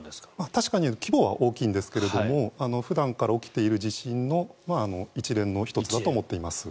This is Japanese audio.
確かに規模は大きいんですが普段から起きている地震の一連の１つだと思っています。